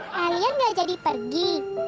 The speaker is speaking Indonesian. kalian gak jadi pergi